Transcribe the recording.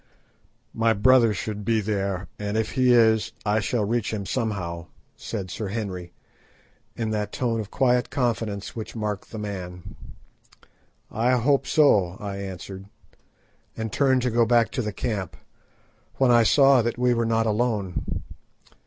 "My brother should be there, and if he is, I shall reach him somehow," said Sir Henry, in that tone of quiet confidence which marked the man. "I hope so," I answered, and turned to go back to the camp, when I saw that we were not alone.